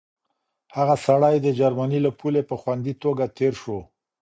هغه سړی د جرمني له پولې په خوندي توګه تېر شو.